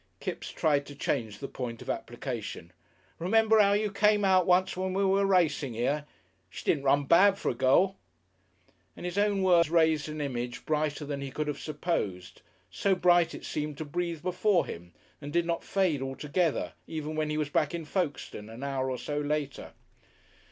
Kipps tried to change the point of application. "Remember 'ow you came out once when we were racing here?... She didn't run bad for a girl." And his own words raised an image brighter than he could have supposed, so bright it seemed to breathe before him and did not fade altogether, even when he was back in Folkestone an hour or so later.